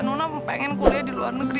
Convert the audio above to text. nono pengen kuliah di luar negeri